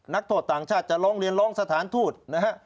นักโทษต่างชาติจะร้องเรียนร้องสถานทูตนะฮะ